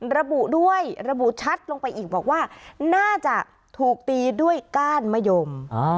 ระบุด้วยระบุชัดลงไปอีกบอกว่าน่าจะถูกตีด้วยก้านมะยม